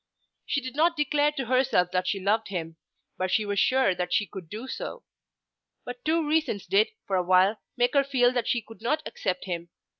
She did not declare to herself that she loved him, but she was sure that she could do so. But two reasons did for a while make her feel that she could not accept him.